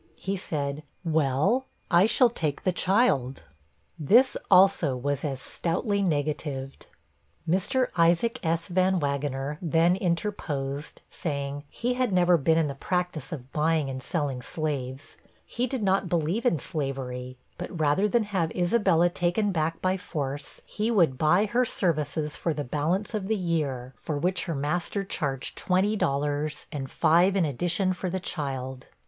He said, 'Well, I shall take the child.' This also was as stoutly negatived. Mr. Isaac S. Van Wagener then interposed, saying, he had never been in the practice of buying and selling slaves; he did not believe in slavery; but, rather than have Isabella taken back by force, he would buy her services for the balance of the year for which her master charged twenty dollars, and five in addition for the child.